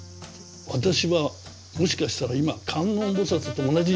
私はもしかしたら今観音菩薩と同じ次元にいるんじゃないか。